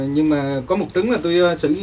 nhưng mà có một trứng là tôi sử dụng